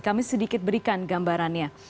kami sedikit berikan gambarannya